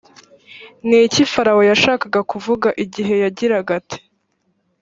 ni iki farawo yashakaga kuvuga igihe yagiraga ati